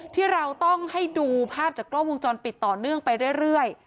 ที่เราต้องให้ดูภาพจากกล้องวงจรปิดต่อเนื่องไปเรื่อย